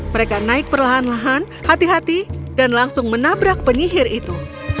mereka naik perlahan lahan hati hati dan langsung menabrak penyihir itu